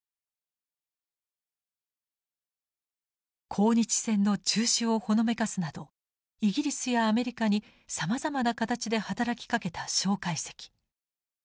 抗日戦の中止をほのめかすなどイギリスやアメリカにさまざまな形で働きかけた介石。